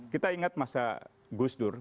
kita ingat masa gus dur